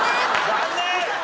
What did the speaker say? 残念！